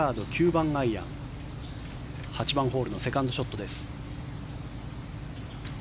８番ホールのセカンドショットです。